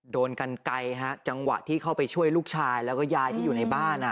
โดนกันไกลฮะจังหวะที่เข้าไปช่วยลูกชายแล้วก็ยายที่อยู่ในบ้าน